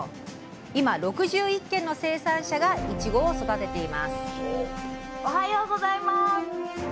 今６１軒の生産者がいちごを育てていますおはようございます。